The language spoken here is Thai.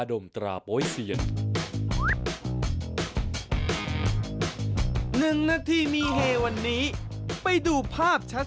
หนึ่งนาทีมีเฮวันนี้ไปดูภาพชัด